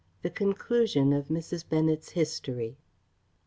_The conclusion of Mrs. Bennet's history.